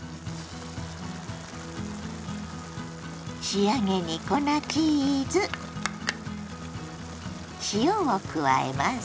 仕上げに粉チーズ塩を加えます。